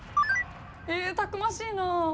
えたくましいな。